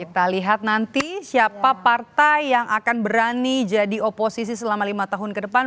kita lihat nanti siapa partai yang akan berani jadi oposisi selama lima tahun ke depan